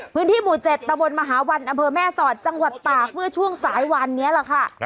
พื้นที่หมู่๗ตะบนมหาวันอำเภอแม่สอดจังหวัดตากเมื่อช่วงสายวันนี้แหละค่ะ